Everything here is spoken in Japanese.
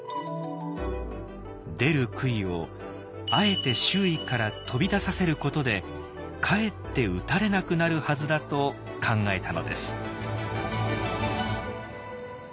出る杭をあえて周囲から飛び出させることでかえって打たれなくなるはずだと考えたのです。